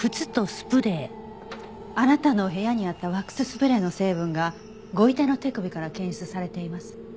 あなたの部屋にあったワックススプレーの成分がご遺体の手首から検出されています。